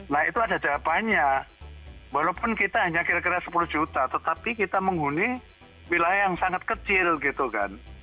nah itu ada jawabannya walaupun kita hanya kira kira sepuluh juta tetapi kita menghuni wilayah yang sangat kecil gitu kan